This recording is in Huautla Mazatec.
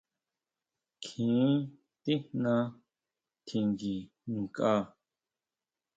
Kjín tijna tjinguinkʼa.